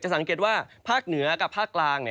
สังเกตว่าภาคเหนือกับภาคกลาง